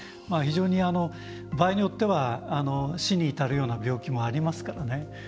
非常に、場合によっては死に至るような病気もありますからね。